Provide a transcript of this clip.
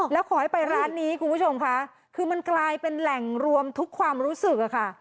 แล้วขอให้ไปร้านนี้คุณผู้ชมค่ะคือมันกลายเป็นแหล่งรวมทุกความรู้สึกอะค่ะ